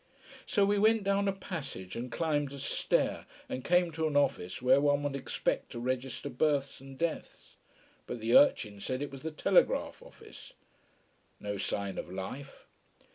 So we went down a passage and climbed a stair and came to an office where one would expect to register births and deaths. But the urchin said it was the telegraph office. No sign of life.